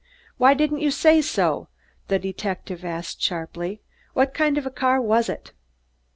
"Why didn't you say so?" the detective asked sharply. "What kind of a car was it?"